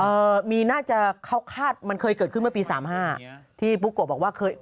เอ่อมีน่าจะเขาคาดมันเคยเกิดขึ้นเมื่อปีสามห้าที่ปุ๊กโกะบอกว่าเคย